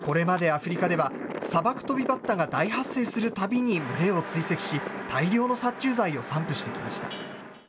これまでアフリカでは、サバクトビバッタが大発生するたびに群れを追跡し、大量の殺虫剤を散布してきました。